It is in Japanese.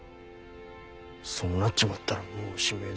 そうなっちまったらもうおしめえだ。